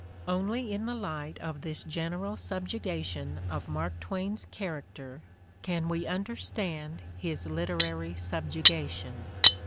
Only in the light of this general subjugation of Mark Twain's character can we understand his literary sub jugation.